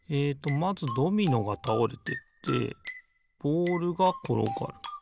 まずドミノがたおれてってボールがころがる。